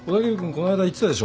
この間言ってたでしょ。